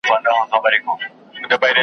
د دوو وروڼو تر مابین جوړه جگړه وه .